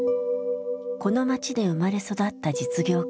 この町で生まれ育った実業家だ。